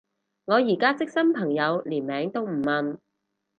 我而家識新朋友連名都唔問